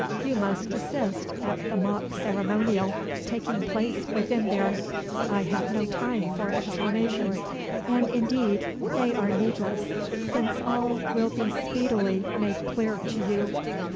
You must assist at the mock ceremonial taking place within there. I have no time for explanations; and indeed they are needless, since all will be speedily made clear to you.